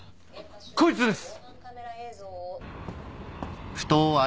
こいつです！